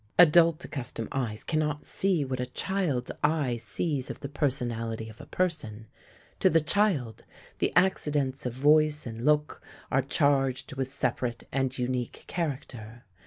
Adult accustomed eyes cannot see what a child's eye sees of the personality of a person; to the child the accidents of voice and look are charged with separate and unique character.